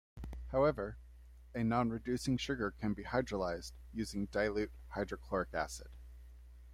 However, a non-reducing sugar can be hydrolyzed using dilute hydrochloric acid.